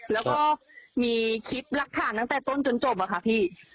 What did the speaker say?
แล้วก็มีคลิปหลักฐานตั้งแต่ต้นจนจบอะค่ะพี่